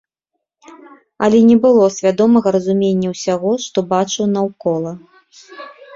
Але не было свядомага разумення ўсяго, што бачыў наўкола.